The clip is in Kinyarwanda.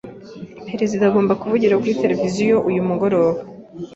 Perezida agomba kuvugira kuri tereviziyo uyu mugoroba.